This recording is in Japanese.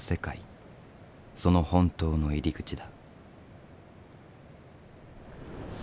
その本当の入り口だ。